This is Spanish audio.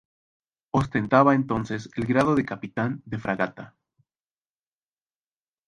Ostentaba entonces el grado de Capitán de Fragata.